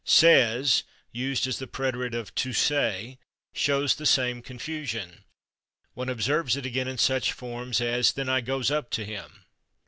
/Sez/ (=/says/), used as the preterite of /to say/, shows the same confusion. One observes it again in such forms as "then I /goes/ up to him."